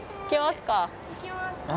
行きますか。